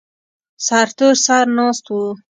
سرتور سر ناست و.